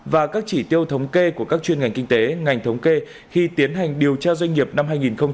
và các chỉ tiêu thống kê của các chuyên ngành kinh tế ngành thống kê khi tiến hành điều tra doanh nghiệp năm hai nghìn hai mươi